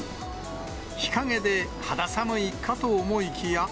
日陰で肌寒いかと思いきや。